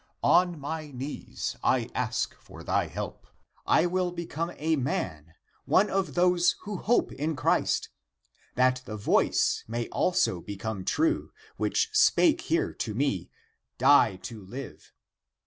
On my knees I ask thy help. I will become a man, (one) of those who hope in Christ, that the voice may also become true, which spake here to me. Die to live!